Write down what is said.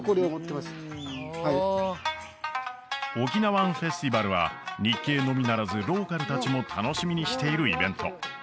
おおオキナワン・フェスティバルは日系のみならずローカル達も楽しみにしているイベント